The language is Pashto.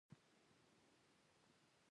ستوري د نړۍ د پيدایښت شاهدان دي.